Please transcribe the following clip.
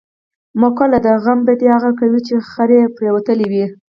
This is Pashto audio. مقوله ده: غم به یې هغه کوي، چې خر یې پرېوتلی وي.